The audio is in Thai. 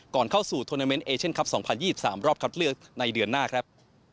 ก่อนเข้าสู่โทรนาเมนต์เอเชียนคลับ๒๐๒๓รอบคัดเลือกในเดือนหน้าครับ